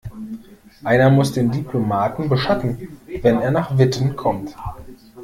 Einer muss den Diplomaten beschatten, wenn er nach Witten kommt.